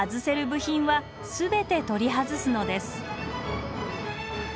部品は全て取り外すのです